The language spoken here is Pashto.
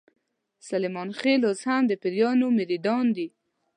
سلیمان خېل اوس هم د پیرانو مریدان دي.